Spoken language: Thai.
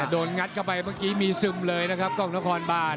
งัดเข้าไปเมื่อกี้มีซึมเลยนะครับกล้องนครบาน